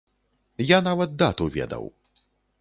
Я нават дату ведаў.